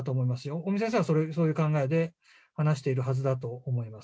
尾身先生はそういう考えで話しているはずだと思います。